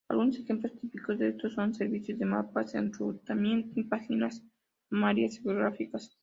Algunos ejemplos típicos de esto son servicios de mapas, enrutamiento y páginas amarillas geográficas.